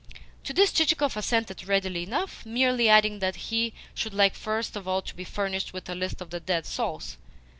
To this Chichikov assented readily enough merely adding that he should like first of all to be furnished with a list of the dead souls.